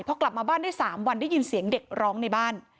พอกลับมาบ้านได้๓วันได้ยินเสียงเด็กร้องในบ้าน